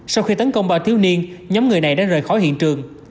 sau khi tấn công ba thiếu niên nhóm người này đã rời khỏi hiện trường